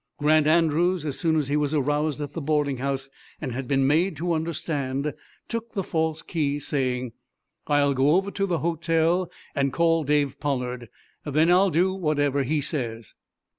Grant Andrews, as soon as he was aroused at the boarding house, and had been made to understand, took the false key, saying: "I'll go over to the hotel and call Dave Pollard. Then I'll do whatever he says."